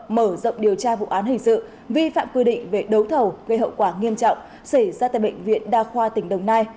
mở rộng điều tra vụ án hình sự vi phạm quy định về đấu thầu gây hậu quả nghiêm trọng xảy ra tại bệnh viện đa khoa tỉnh đồng nai